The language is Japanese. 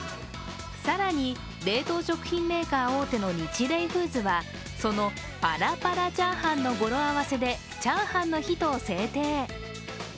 更に、冷凍食品メーカー大手のニチレイフーズはパラパラチャーハンの語呂合わせでチャーハンの日と制定。